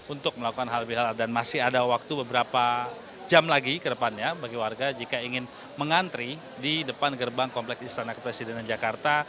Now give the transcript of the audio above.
untuk melakukan hal hal dan masih ada waktu beberapa jam lagi ke depannya bagi warga jika ingin mengantri di depan gerbang kompleks istana kepresidenan jakarta